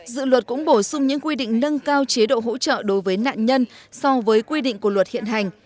dự luật cũng bổ sung những quy định nâng cao chế độ hỗ trợ đối với nạn nhân so với quy định của luật hiện hành